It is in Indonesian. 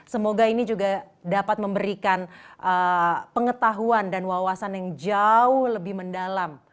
semoga ini juga dapat memberikan pengetahuan dan wawasan yang jauh lebih mendalam